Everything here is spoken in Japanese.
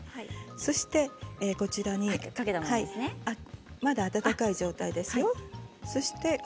そしてまだ温かい状態ですよ。